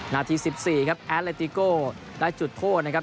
นาที๑๔ครับแอดเลติโก้ได้จุดโทษนะครับ